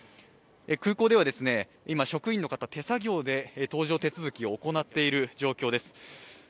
空港では、今、職員の方手作業で搭乗手続きを行っている状況です